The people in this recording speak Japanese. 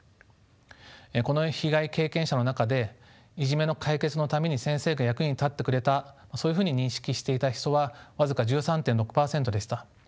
この被害経験者の中でいじめの解決のために先生が役に立ってくれたそういうふうに認識していた人は僅か１３．６％でした。